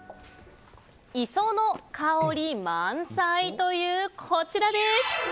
磯の香り満載という、こちら。